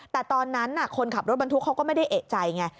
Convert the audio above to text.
แต่ตอนนั้นคนขับรถบรรทุกเขาก็ไม่ได้เอกใจไง